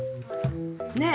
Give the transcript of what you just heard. ねえ。